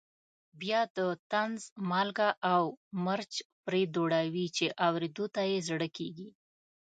بیا د طنز مالګه او مرچ پرې دوړوي چې اورېدو ته یې زړه کېږي.